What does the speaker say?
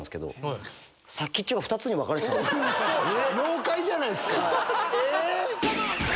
妖怪じゃないですか！